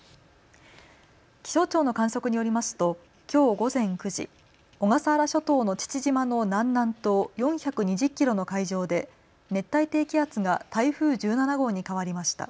気象庁の観測によりますときょう午前９時、小笠原諸島の父島の南南東４２０キロの海上で熱帯低気圧が台風１７号に変わりました。